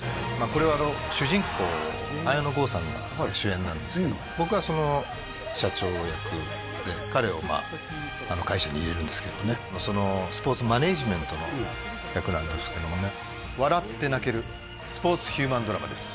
これは主人公綾野剛さんが主演なんですけど僕はその社長役で彼を会社に入れるんですけどもねそのスポーツマネジメントの役なんですけどもね笑って泣けるスポーツヒューマンドラマです